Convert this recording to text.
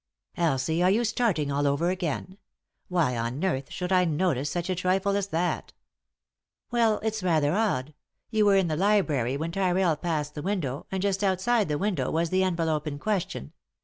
" Elsie, are you starting all over again ? Why on earth should I notice such a trifle as that ?" "Well, it's rather odd. You were in the library when Tyrrell passed the window, and just outside the window was the envelope in question.